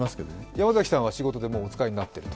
山崎さんは仕事でもうお使いになっていると？